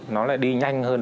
nó lại đi nhanh hơn